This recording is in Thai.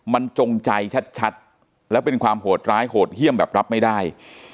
มันจงใจชัดแล้วเป็นความโหดร้ายโหดเยี่ยมแบบรับไม่ได้